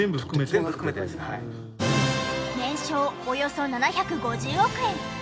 およそ７５０億円。